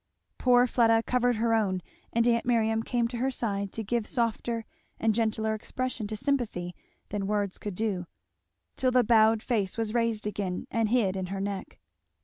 Poor Fleda covered her own, and aunt Miriam came to her side to give softer and gentler expression to sympathy than words could do; till the bowed face was raised again and hid in her neck.